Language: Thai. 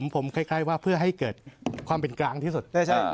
ผมคล้ายว่าเพื่อให้เกิดความเป็นกลางที่สุด